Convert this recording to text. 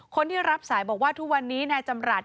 คนที่รับสายบอกว่าทุกวันนี้นายจำรัฐ